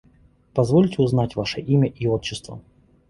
Позвольте узнать ваше имя и отчество?